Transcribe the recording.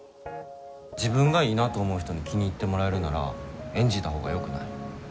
自分がいいなと思う人に気に入ってもらえるなら演じたほうがよくない？